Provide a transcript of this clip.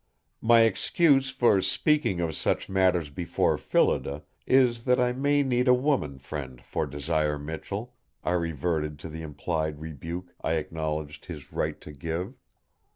"My excuse for speaking of such matters before Phillida is that I may need a woman friend for Desire Michell," I reverted to the implied rebuke I acknowledged his right to give.